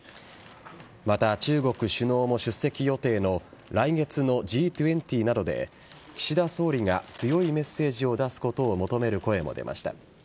また、中国首脳も出席予定の来月のＧ２０などで岸田総理が強いメッセージを出すことを求める声も出ました。